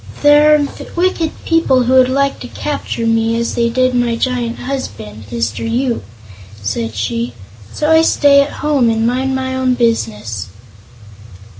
"There are wicked people who would like to capture me, as they did my giant husband, Mr. Yoop," said she; "so I stay at home and mind my own business."